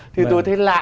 thì tôi thấy lạ